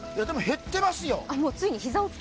でも、減ってますよ。